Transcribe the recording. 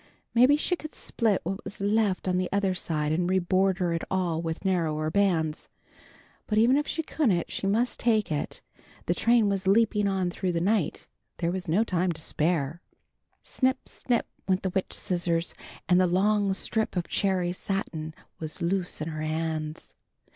Maybe she could split what was left on the other side, and reborder it all with narrower bands. But even if she couldn't, she must take it. The train was leaping on through the night. There was no time to spare. Snip! Snip! went the witch scissors, and the long strip of cherry satin was loose in her hands.